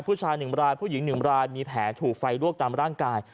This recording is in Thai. ผู้ชาย๑รายผู้หญิง๑รายมีแผลถูกไฟลวกตามร่างกาย